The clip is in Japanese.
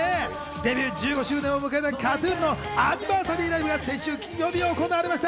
デビュー１５周年を迎えたＫＡＴ−ＴＵＮのアニバーサリーライブが先週金曜日行われました。